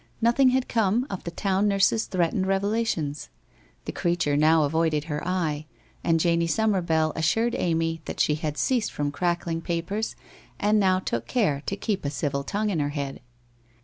Nothing had come of the town nurse's threatened revelations. The creature now avoided her eye, and Janie Summerbell assured Amy that she had ceased from crack ling papers and now took care to keep a civil tongue in her head.